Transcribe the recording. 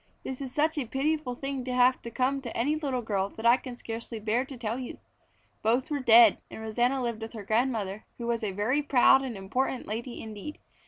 This is such a pitiful thing to have come to any little girl that I can scarcely bear to tell you. Both were dead, and Rosanna lived with her grandmother, who was a very proud and important lady indeed.